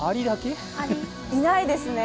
いないですね。